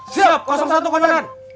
siap satu komitmen